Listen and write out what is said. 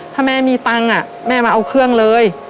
ถ้าแม่มีตังค์แม่มาเอาเครื่องเลย